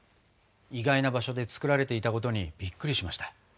意外な場所で作られていたことにびっくりしました。